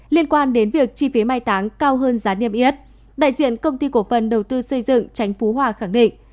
liên quan đến việc chi phí mai táng cao hơn giá niêm yết đại diện công ty cổ phần đầu tư xây dựng tránh phú hòa khẳng định